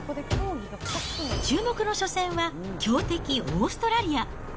注目の初戦は、強敵オーストラリア。